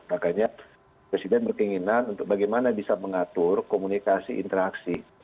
makanya presiden berkeinginan untuk bagaimana bisa mengatur komunikasi interaksi